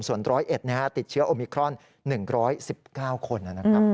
ส่วนร้อยเอ็ดติดเชื้อโอมิครอน๑๑๙คน